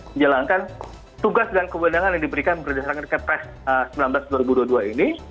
menjalankan tugas dan kewenangan yang diberikan berdasarkan kepres sembilan belas dua ribu dua puluh dua ini